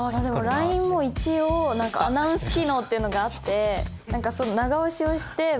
でもＬＩＮＥも一応アナウンス機能っていうのがあって長押しをして文章の。